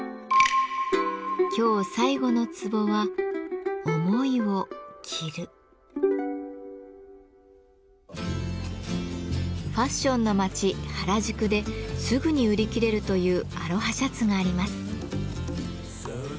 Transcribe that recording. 今日最後の壺はファッションの街・原宿ですぐに売り切れるというアロハシャツがあります。